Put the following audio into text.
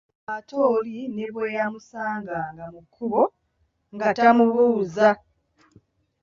Ate oli ne bwe yamusanganga mu kkubo, nga tamubuuza.